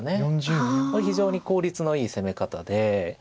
これ非常に効率のいい攻め方で。